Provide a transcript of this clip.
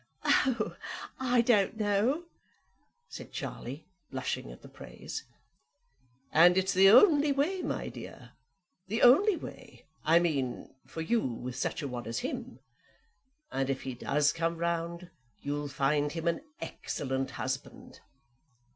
"Oh, I don't know," said Charlie, blushing at the praise. "And it's the only way, my dear; the only way, I mean, for you with such a one as him. And if he does come round, you'll find him an excellent husband."